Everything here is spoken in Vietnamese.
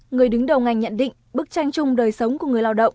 người đứng đầu ngành nhận định bức tranh chung đời sống của người lao động